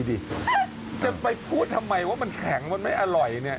จะไปพูดทำไมว่ามันแข็งมันไม่อร่อย